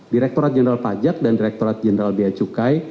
direkturat jenderal pajak dan direkturat jenderal biaya cukai